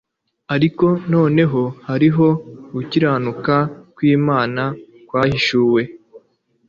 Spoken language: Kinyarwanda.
ariko noneho hariho gukiranuka kw'imana kwahishuwe